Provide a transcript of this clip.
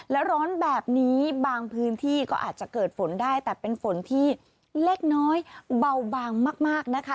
และร้อนแบบนี้บางพื้นที่ก็อาจจะเกิดฝนได้แต่เป็นฝนที่เล็กน้อยเบาบางมากนะคะ